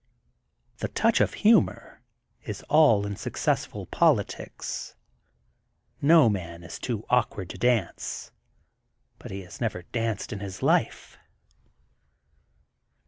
'' ''The Touch of Humor is in all Successful PoUtics.'' "No Man is Too Awkward to Dance." (But he has never danced in his life!)